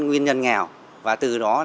nguyên nhân nghèo và từ đó